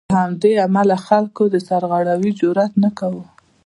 له همدې امله خلکو د سرغړاوي جرات نه کاوه.